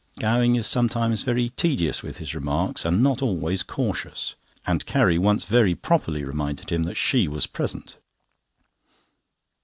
Gowing is sometimes very tedious with his remarks, and not always cautious; and Carrie once very properly reminded him that she was present.